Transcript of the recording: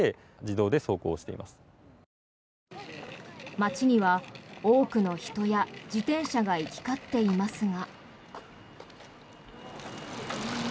街には多くの人や自転車が行き交っていますが。